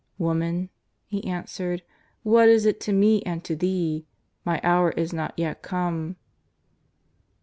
^' Woman," He answered, ^^ what is it to Me and to thee? My hour is not yet come."